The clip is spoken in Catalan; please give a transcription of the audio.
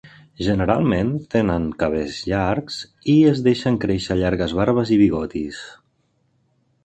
Generalment tenen cabells llargs i es deixen créixer llargues barbes i bigotis.